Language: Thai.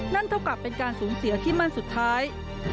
เท่ากับเป็นการสูญเสียที่มั่นสุดท้าย